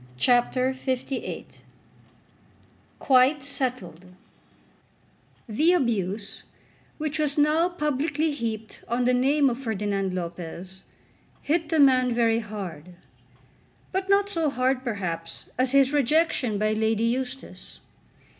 CHAPTER LVIII "Quite Settled" The abuse which was now publicly heaped on the name of Ferdinand Lopez hit the man very hard; but not so hard perhaps as his rejection by Lady Eustace.